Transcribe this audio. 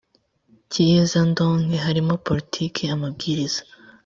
cy iyezandonke harimo politiki amabwiriza